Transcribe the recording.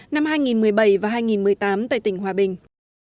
năm hai nghìn một mươi bảy và hai nghìn một mươi tám tại tỉnh hòa bình